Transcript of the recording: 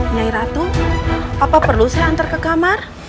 nyai ratu apa perlu saya antar ke kamar